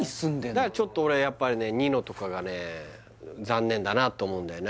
だからちょっと俺ニノとかがね残念だなと思うんだよな